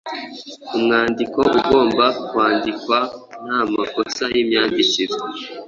Umwandiko ugomba kwandikwa nta makosa y’imyandikire